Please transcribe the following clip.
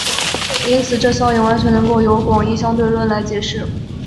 因此这效应完全能够由广义相对论来解释。